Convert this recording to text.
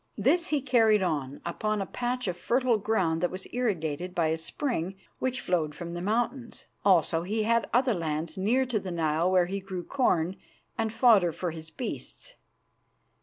This he carried on upon a patch of fertile ground that was irrigated by a spring which flowed from the mountains; also he had other lands near to the Nile, where he grew corn and fodder for his beasts.